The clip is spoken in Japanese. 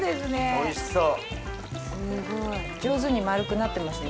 おいしそう！